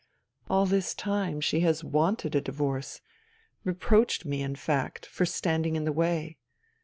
... All this time she has wanted a divorce — reproached me, in fact, for standing in the way.